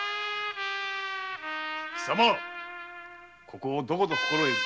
貴様ここをどこと心得る。